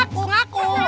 ya aku aja ngaku